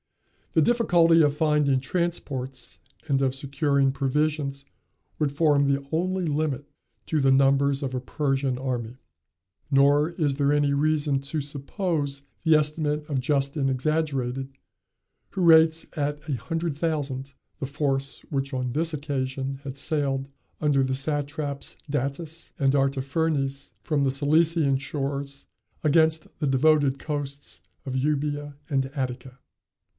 The difficulty of finding transports and of securing provisions would form the only limit to the numbers of a Persian army. Nor is there any reason to suppose the estimate of Justin exaggerated, who rates at a hundred thousand the force which on this occasion had sailed, under the satraps Datis and Artaphernes, from the Cilician shores against the devoted coasts of Euboea and Attica.